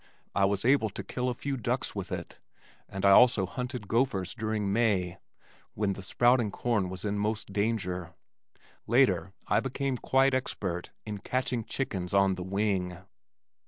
I was able to kill a few ducks with it and I also hunted gophers during May when the sprouting corn was in most danger. Later I became quite expert in catching chickens on the wing.